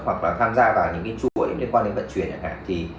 hoặc là tham gia vào những chuỗi